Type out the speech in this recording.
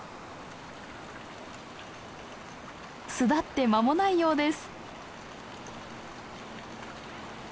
巣立って間もないようです。